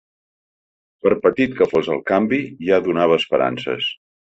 Per petit que fos el canvi, ja donava esperances.